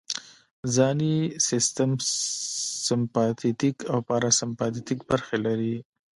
ځانی سیستم سمپاتیتیک او پاراسمپاتیتیک برخې لري